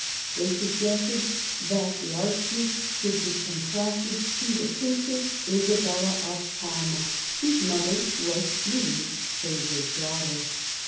They suggested that the archduke should be contracted to the Princess Isabella of Parma, whose mother was Louis's favourite daughter.